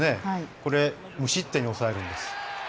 これ無失点に抑えるんです。